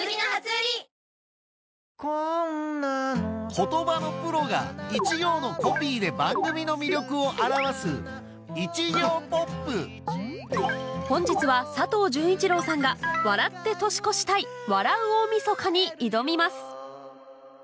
言葉のプロが一行のコピーで番組の魅力を表す本日は佐藤潤一郎さんが『笑って年越したい‼笑う大晦日』に挑みます